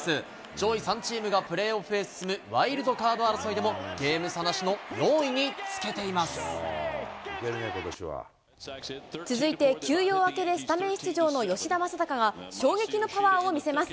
上位３チームがプレーオフへ進むワイルドカード争いでもゲーム差続いて、休養明けでスタメン出場の吉田正尚が衝撃のパワーを見せます。